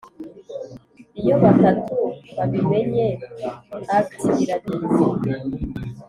iyo batatu babimenye, alt irabizi.